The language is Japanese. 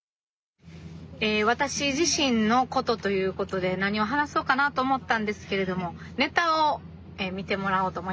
え私自身のことということで何を話そうかなと思ったんですけれどもネタを見てもらおうと思います。